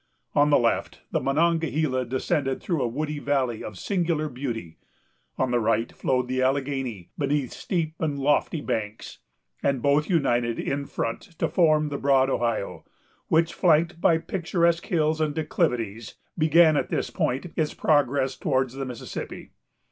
On the left, the Monongahela descended through a woody valley of singular beauty; on the right, flowed the Alleghany, beneath steep and lofty banks; and both united, in front, to form the broad Ohio, which, flanked by picturesque hills and declivities, began at this point its progress towards the Mississippi.